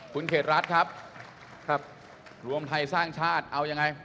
คุณเขตรัฐครับครับรวมไทยสร้างชาติเอายังไง